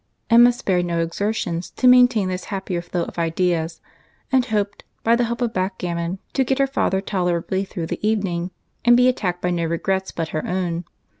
Emma spared no exertions to maintain this happier flow of ideas, and hoped, by the help of backgammon, to get her father tolerably through the evening, and be attacked by no regrets but her own.